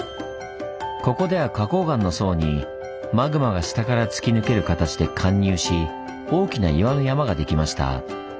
ここでは花こう岩の層にマグマが下から突き抜ける形で貫入し大きな岩の山ができました。